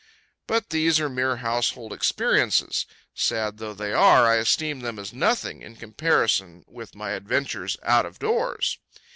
But these are mere household experiences. Sad though they are, I esteem them as nothing in comparison with my adventures out of doors.